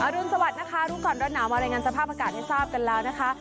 รุนสวัสดิ์นะคะรู้ก่อนร้อนหนาวมารายงานสภาพอากาศให้ทราบกันแล้วนะคะ